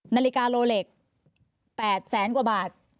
นาฬิกาโลเล็ก๘แสนกว่าบาท